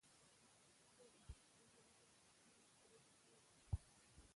چې که له مخه يې لرې شوې، ترې هېر به شې.